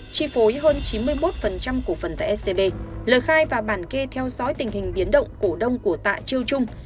chi phối hơn chín mươi một cổ phần tại scb lời khai và bản kê theo dõi tình hình biến động cổ đông của tạ chiêu trung